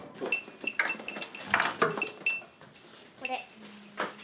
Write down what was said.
これ。